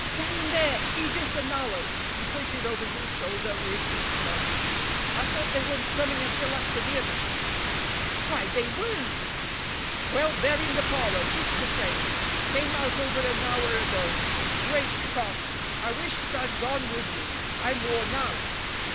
"They're in there—Edith and Alan." He pointed over his shoulder with his thumb. "I thought they weren't coming until after dinner." "Why, they weren't." "Well, they're in the parlor, just the same. Came out over an hour ago. Great Scott, I wished I'd gone with you. I'm worn out."